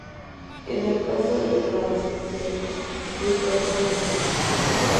En el caso de Francia se reinstauró la república.